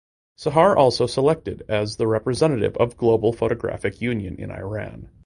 Sahar also selected as the representative of Global Photographic Union in Iran.